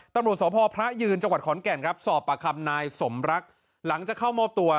ตำรวจสพพระยืนจังหวัดขอนแก่นครับสอบประคำนายสมรักหลังจากเข้ามอบตัว